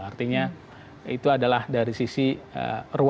artinya itu adalah dari sisi dari ee dari ee dari ee dari ee dari ee